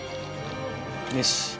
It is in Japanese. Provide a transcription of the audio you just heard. よし。